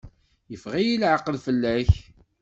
Yeffeɣ-iyi leɛqel fell-ak.